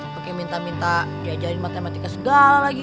pakai minta minta diajarin matematika segala lagi